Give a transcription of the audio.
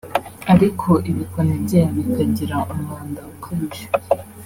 ariko ibikoni byayo bikagira umwanda ukabije